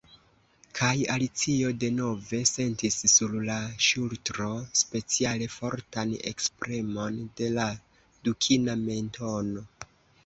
Kaj Alicio denove sentis sur la ŝultro speciale fortan ekpremon de la dukina mentono.